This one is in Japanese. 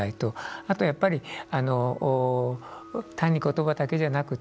あとは、やっぱり単に言葉だけじゃなくて